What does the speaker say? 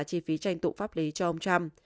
chi phí tranh tụ pháp lý cho ông trump